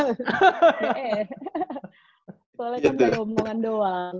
soalnya kan beromongan doang